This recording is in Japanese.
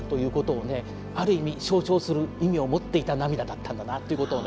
ある意味象徴する意味を持っていた涙だったんだなということをね